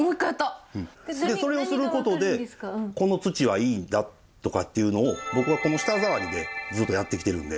それをすることでこの土はいいんだとかっていうのを僕はこの舌触りでずっとやってきてるんで。